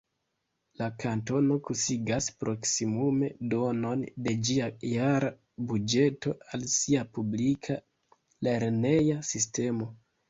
La kantono pasigas proksimume duonon de ĝia jara buĝeto al sia publika lerneja sistemo.